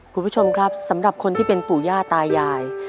คุณผู้ชมครับสำหรับคนที่เป็นปู่ย่าตายาย